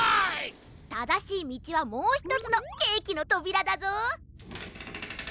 ただしいみちはもうひとつのケーキのとびらだぞ。